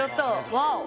ワオ！